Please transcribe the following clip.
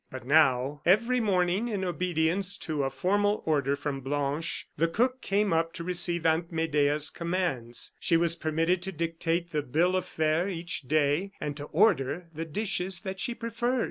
But now Every morning, in obedience to a formal order from Blanche, the cook came up to receive Aunt Medea's commands; she was permitted to dictate the bill of fare each day, and to order the dishes that she preferred.